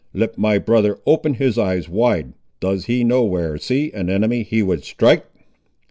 Let my brother open his eyes wide: does he no where see an enemy he would strike?"